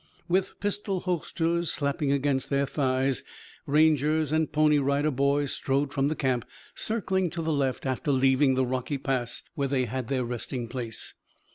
With pistol holsters slapping against their thighs, Rangers and Pony Rider Boys strode from the camp, circling to the left after leaving the rocky pass where they had their resting place.